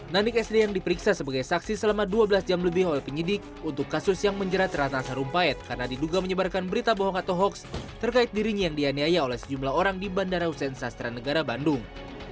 nanik sd yang diperiksa sebagai saksi selama dua belas jam lebih oleh penyidik untuk kasus yang menjerat ratna sarumpayat karena diduga menyebarkan berita bohong atau hoaks terkait dirinya yang dianiaya oleh sejumlah orang di bandara hussein sastra negara bandung